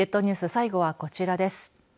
最後はこちらです。